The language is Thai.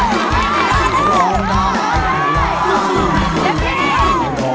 เดี๋ยวพีท